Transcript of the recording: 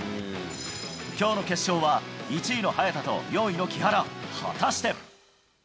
きょうの決勝は、１位の早田と４位の木原、果たして。